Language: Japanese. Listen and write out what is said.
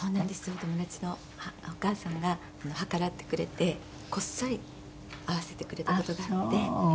お友達のお母さんが計らってくれてこっそり会わせてくれた事があって。